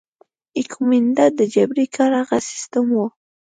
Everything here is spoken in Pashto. ایکومینډا د جبري کار هغه سیستم وو.